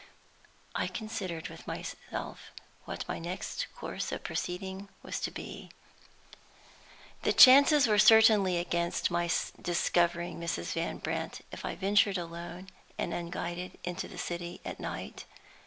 I considered with myself what my next course of proceeding was to be. The chances were certainly against my discovering Mrs. Van Brandt if I ventured alone and unguided into the city at night.